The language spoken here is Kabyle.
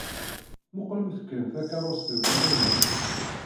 Muqlemt kan takeṛṛust-iw tamaynut.